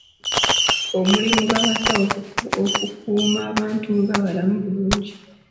Omulimu gw’abasawo kukuuma bantu nga balamu bulungi.